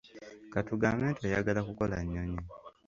Ka tugambe nti oyagala kukola nnyonyi.